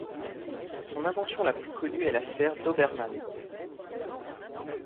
Son invention la plus connue est la sphère d'Hoberman.